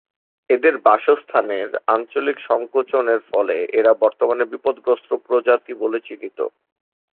এদের বাসস্থানের অঞ্চলের সংকোচনের ফলে এরা বর্তমানে বিপদগ্রস্ত প্রজাতি বলে চিহ্নিত।